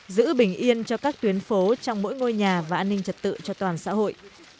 giữ bình yên cho các tuyến phố trong mỗi ngôi nhà và an ninh trật tự cho toàn xã hội